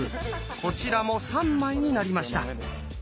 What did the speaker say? こちらも３枚になりました。